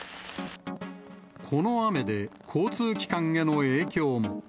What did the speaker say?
この雨で交通機関への影響も。